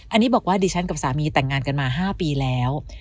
อันนี้บอกว่าดิฉันกับสามีแต่งงานกันมา๕ปีแล้ว